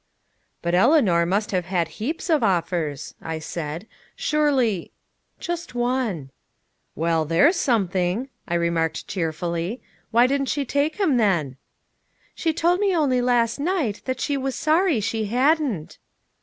"But Eleanor must have had heaps of offers," I said, "surely " "Just one." "Well, one's something," I remarked cheerfully. "Why didn't she take him then?" "She told me only last night that she was sorry she hadn't!"